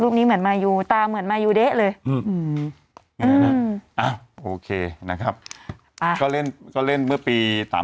๒๗ปีหรือเปล่า